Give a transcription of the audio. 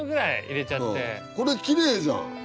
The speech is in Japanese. これきれいじゃん。